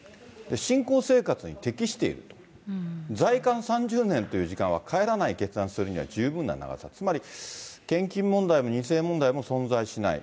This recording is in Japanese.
信仰生活に適している、在韓３０年という時間は帰らない決断をするには十分な長さ、つまり献金問題も２世問題も存在しない。